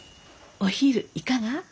お昼いかが？